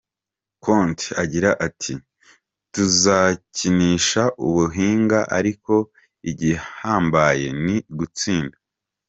Conte agira ati: "Tuzokinisha ubuhinga ariko igihambaye ni gutsinda.